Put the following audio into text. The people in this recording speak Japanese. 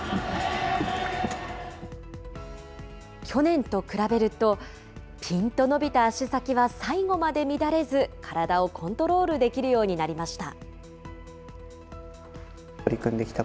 去年と比べると、ぴんと伸びた足先は最後まで乱れず、体をコントロールできるようになりました。